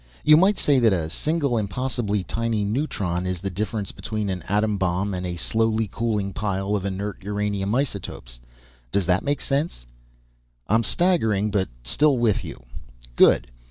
You might say that a single, impossibly tiny, neutron is the difference between an atom bomb and a slowly cooling pile of inert uranium isotopes. Does that make sense?" "I'm staggering, but still with you." "Good.